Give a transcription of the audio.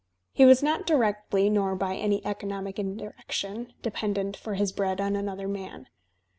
He was not directly, nor by any economic indirection, dependent for his bread on another man.